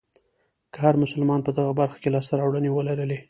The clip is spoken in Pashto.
که هر مسلمان په دغه برخه کې لاسته راوړنې ولرلې.